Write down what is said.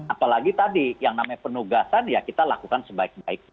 apalagi tadi yang namanya penugasan ya kita lakukan sebaik baik